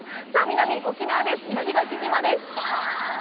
南、沖縄です、石垣島です。